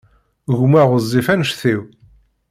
Gma ɣezzif anect-iw.